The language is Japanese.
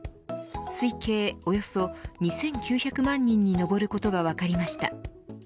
推計およそ２９００万人に上ることが分かりました。